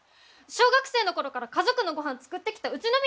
小学生の頃から家族のごはん作ってきたうちの身にもなって！